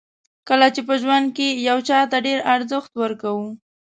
کله چې په ژوند کې یو چاته ډېر ارزښت ورکوو.